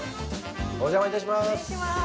お邪魔いたします。